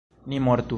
Ni mortu!